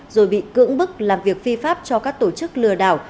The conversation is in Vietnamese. rồi bị cưỡng bức làm việc phi pháp cho các tổ chức lừa đảo